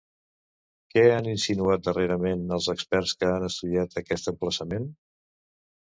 Què han insinuat, darrerament, els experts que han estudiat aquest emplaçament?